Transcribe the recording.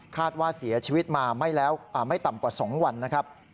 ว่าเสียชีวิตมาแล้วไม่ต่ำกว่า๒วันนะครับ